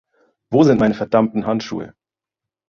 Wo sind meine verdammten Handschuhe?